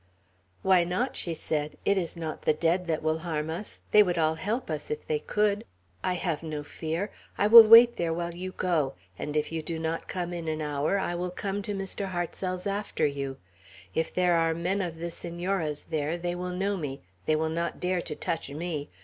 "Why not?" she said. "It is not the dead that will harm us. They would all help us if they could. I have no fear. I will wait there while you go; and if you do not come in an hour, I will come to Mr. Hartsel's after you. If there are men of the Senora's there, they will know me; they will not dare to touch me.